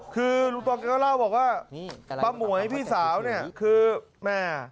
คือว่าป้ามวยพี่สาวเนี่ยคือแม่